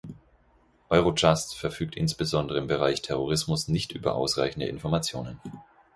Eurojust verfügt insbesondere im Bereich Terrorismus nicht über ausreichende Informationen.